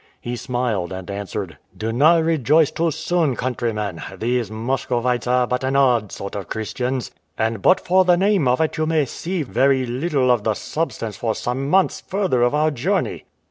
He smiled, and answered, "Do not rejoice too soon, countryman; these Muscovites are but an odd sort of Christians; and but for the name of it you may see very little of the substance for some months further of our journey."